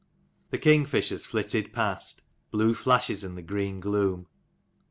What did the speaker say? The king fishers flitted past, blue flashes in 83 the green gloom.